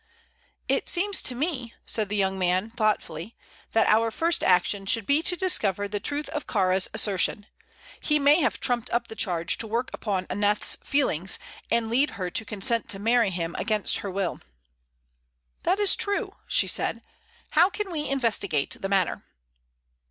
"It seems to me," said the young man, thoughtfully, "that our first action should be to discover the truth of Kāra's assertion. He may have trumped up the charge to work upon Aneth's feelings, and lead her to consent to marry him against her will." "That is true," she said. "How can we investigate the matter?"